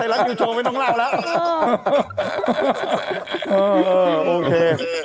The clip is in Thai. เออโอเค